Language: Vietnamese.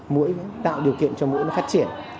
mũi tạo điều kiện cho mũi nó phát triển